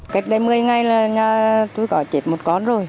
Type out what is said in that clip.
cách đây một mươi ngày là nhà tôi có chết một con rồi